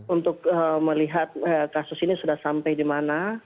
untuk melihat kasus ini sudah sampai di mana